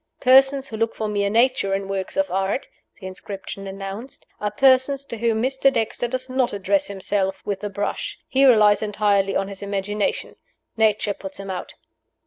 "Persons who look for mere Nature in works of Art" (the inscription announced) "are persons to whom Mr. Dexter does not address himself with the brush. He relies entirely on his imagination. Nature puts him out."